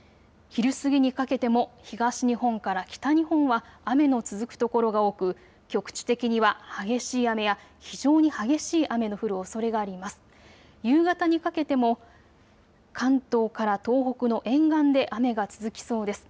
昼過ぎにかけても東日本から北日本は雨の続く所が多く局地的には激しい雨や非常に激しい雨の降るおそれがあります。